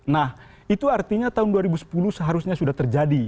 nah itu artinya tahun dua ribu sepuluh seharusnya sudah terjadi